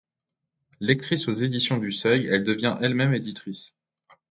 Lectrice aux éditions du Seuil, elle devient elle-même éditrice.